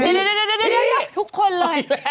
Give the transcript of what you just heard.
เดี๋ยวทุกคนเลย